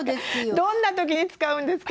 どんな時に使うんですか？